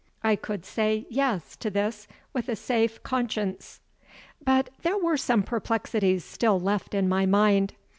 I could say "Yes" to this with a safe conscience. But there were some perplexities still left in my mind.